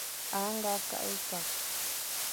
A nga kakh-e-kakh.